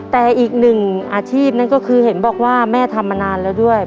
แต่อีกหนึ่งอาชีพนั่นก็คือเห็นบอกว่าแม่ทำมานานแล้วด้วย